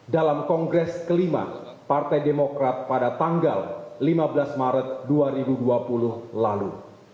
dalam kongres kelima partai demokrat pada tanggal lima belas maret dua ribu dua puluh lalu